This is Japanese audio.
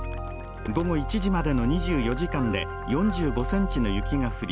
午後１時までの２４時間で４５ｃｍの雪が降り